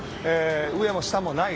上も下もない。